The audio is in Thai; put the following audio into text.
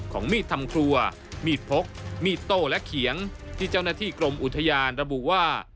มีดทำครัวมีดพกมีดโต้และเขียงที่เจ้าหน้าที่กรมอุทยานระบุว่า